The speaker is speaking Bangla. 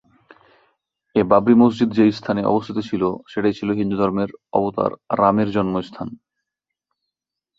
এ বাবরি মসজিদ যে স্থানে অবস্থিত ছিল সেটাই ছিল হিন্দু ধর্মের অবতার রামের জন্মস্থান।